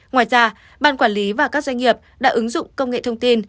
ngoài ra ban quản lý và các doanh nghiệp đã ứng dụng công nghệ thông tin